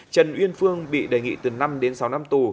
trần uyên phương bị đề nghị từ năm đến sáu năm tù